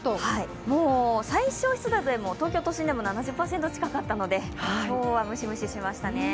もう最小湿度でも東京都心でも７０％近くあったので今日はムシムシしましたね。